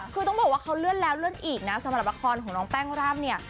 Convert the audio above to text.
คือต้องบอกว่าเขาเลื่อนแล้วเลื่อนอีกนะสำหรับละครของน้องแป้งร่ำเนี่ย